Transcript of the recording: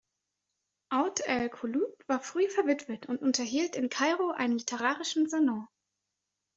Out el-Kouloub war früh verwitwet und unterhielt in Kairo einen literarischen Salon.